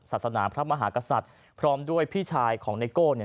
ศาสนาพระมหากษัตริย์พร้อมด้วยพี่ชายของไนโก้เนี่ย